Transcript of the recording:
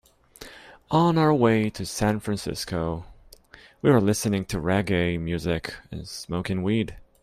On our way to San Francisco, we were listening to reggae music and smoking weed.